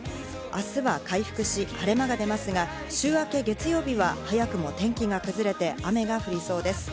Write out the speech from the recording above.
明日は回復し、晴れ間が出ますが、週明け月曜日は早くも天気が崩れて雨が降りそうです。